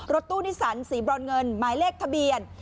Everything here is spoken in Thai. รถตู้นิสันสีบรอนเงินหมายเลขทะเบียน